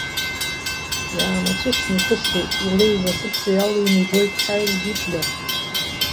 Иаамацәысны ихысуеит, илеиз асыԥса иалыҩны игоит Ҳаиль Ҳитлер!